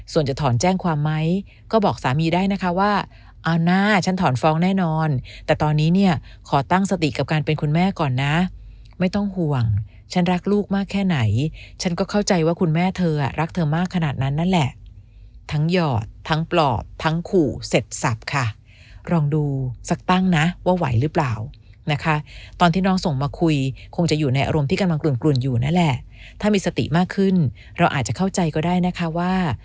ส่วนจะถอนแจ้งความไหมก็บอกสามีได้นะคะว่าเอานะฉันถอนฟองแน่นอนแต่ตอนนี้เนี่ยขอตั้งสติกับการเป็นคุณแม่ก่อนนะไม่ต้องห่วงฉันรักลูกมากแค่ไหนฉันก็เข้าใจว่าคุณแม่เธอรักเธอมากขนาดนั้นนั่นแหละทั้งหยอดทั้งปลอบทั้งขู่เสร็จสับค่ะลองดูสักตั้งนะว่าไหวหรือเปล่านะคะตอนที่น้องส่งมาคุยคงจะ